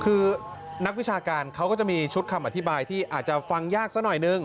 คือนักวิชาการเขาก็จะมีชุดคำอธิบายที่อาจจะฟังยากสักหน่อยนึง